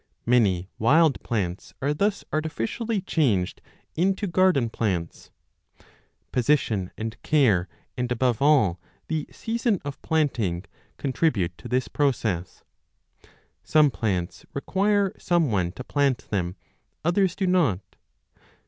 Many wild plants are thus 4 o artificially changed into garden plants. Position and care, 8ai b and, above all, the season of planting, contribute to this process. Some plants require some one to plant them, others do not.